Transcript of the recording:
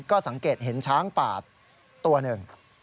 ก็สังเกตเห็นช้างป่าตัวหนึ่ง